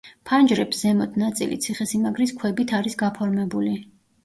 ფანჯრებს ზემო ნაწილი ციხესიმაგრის ქვებით არის გაფორმებული.